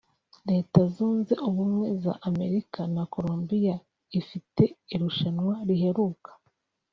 Leta Zunze Ubumwe za Amerika na Colombia ifite irushanwa riheruka